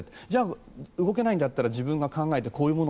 じゃあ、動けないんだったら自分が考えて。